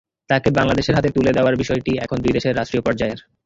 তাঁকে বাংলাদেশের হাতে তুলে দেওয়ার বিষয়টি এখন দুই দেশের রাষ্ট্রীয় পর্যায়ের।